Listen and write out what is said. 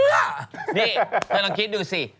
นี่เธอลองคิดดูสิ